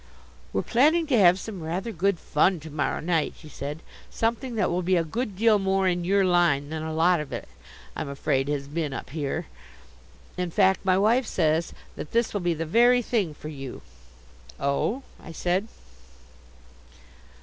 "We're planning to have some rather good fun to morrow night," he said, "something that will be a good deal more in your line than a lot of it, I'm afraid, has been up here. In fact, my wife says that this will be the very thing for you." "Oh," I said.